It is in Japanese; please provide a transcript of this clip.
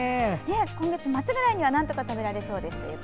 今月末ぐらいにはなんとか食べられそうですと。